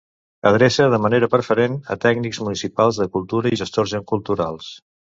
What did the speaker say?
Adreçada de manera preferent a tècnics municipals de cultura i gestors culturals.